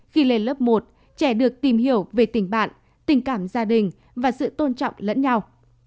khi lên lớp một trẻ được tìm hiểu về tình bạn tình cảm gia đình và sự tôn trọng lẫn nhau